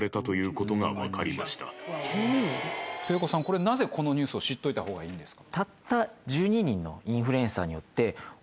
これなぜこのニュースを知っといたほうがいいんですか？